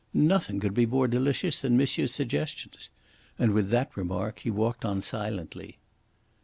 "Nothing could be more delicious than monsieur's suggestions"; and with that remark he walked on silently.